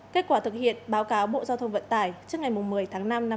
kết quả thực hiện báo cáo bộ giao thông vận tải trước ngày một mươi tháng năm năm hai nghìn hai mươi